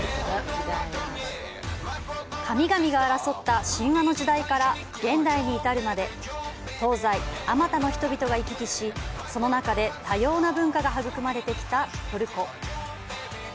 神々が争った神話の時代から現代に至るまで東西、あまたの人々が行き来しその中で多様な文化が育まれてきたトルコ。